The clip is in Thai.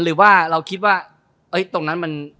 หรือว่าเราคิดว่าตรงนั้นมัน